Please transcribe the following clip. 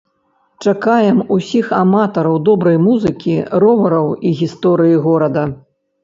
Чакаем усіх аматараў добрай музыкі, ровараў і гісторыі горада!